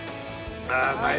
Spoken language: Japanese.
あうまい。